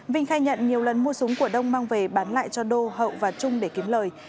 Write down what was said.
vinh khai nhận nhiều lần mua súng của đông mang về bán lại cho đô hậu và trung để kiếm lời